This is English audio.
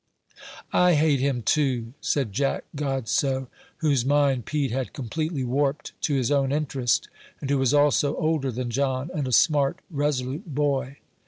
"I hate him, too," said Jack Godsoe, whose mind Pete had completely warped to his own interest, and who was also older than John, and a smart, resolute boy.